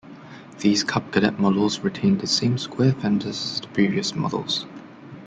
These Cub Cadet models retained the same square fenders as the previous models.